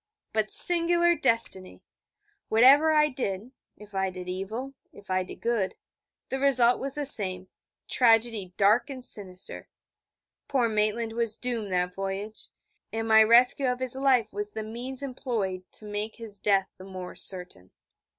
But singular destiny! Whatever I did if I did evil, if I did good the result was the same: tragedy dark and sinister! Poor Maitland was doomed that voyage, and my rescue of his life was the means employed to make his death the more certain.